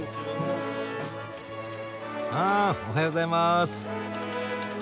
あおはようございます。